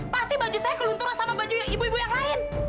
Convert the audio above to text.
pasti baju saya kelunturan sama baju ibu ibu yang lain